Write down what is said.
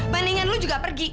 mendingan lu juga pergi